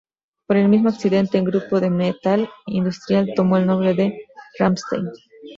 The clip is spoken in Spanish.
Por el mismo accidente un grupo de Metal Industrial tomó el nombre de Rammstein.